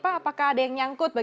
apakah ada yang nyangkut